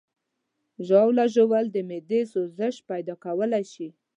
ژاوله ژوول د معدې سوزش پیدا کولی شي.